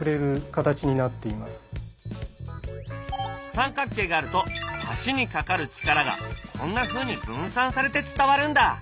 三角形があると橋にかかる力がこんなふうに分散されて伝わるんだ。